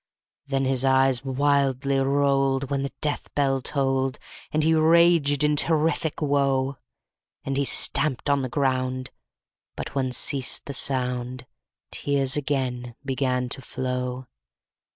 _25 5. Then his eyes wildly rolled, When the death bell tolled, And he raged in terrific woe. And he stamped on the ground, But when ceased the sound, _30 Tears again began to flow.